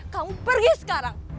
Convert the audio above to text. kamu pergi sekarang